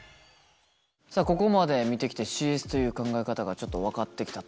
さあここまで見てきてＣＳという考え方がちょっと分かってきたというか。